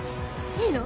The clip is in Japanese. いいの？